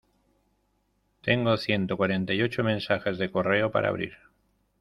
Tengo ciento cuarenta y ocho mensajes de correo para abrir.